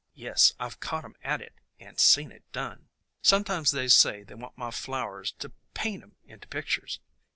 Yes, I 've caught 'em at it and seen it done ! "Sometimes they say they want my flowers to paint 'em into pictures.